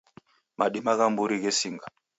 Madima gha mburi ghesinga